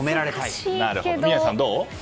宮司さん、どう？